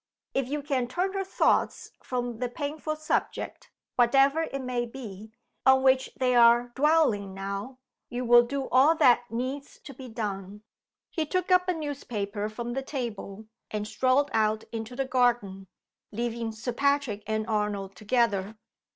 If you can turn her thoughts from the painful subject whatever it may be on which they are dwelling now, you will do all that needs to be done." He took up a newspaper from the table, and strolled out into the garden, leaving Sir Patrick and Arnold together.